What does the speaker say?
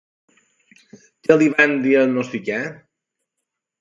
Què li van diagnosticar?